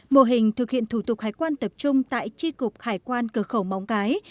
mô hình thực hiện thủ tục hải quan tập trung tại tri cục hải quan cửa khẩu móng cái